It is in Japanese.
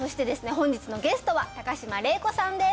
本日のゲストは高島礼子さんです